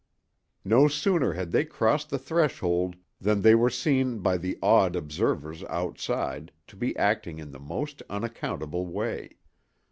No sooner had they crossed the threshold than they were seen by the awed observers outside to be acting in the most unaccountable way.